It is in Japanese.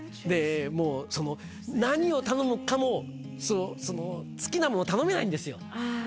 でもう何を頼むかも好きなもの頼めないんですよ